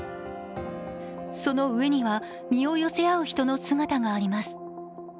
その上には身を寄せ合う人の姿があります。